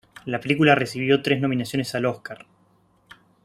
La película recibió tres nominaciones al Oscar.